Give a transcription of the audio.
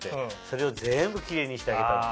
それを全部キレイにしてあげたの。